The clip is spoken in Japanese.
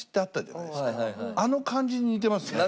あの感じに似てますね。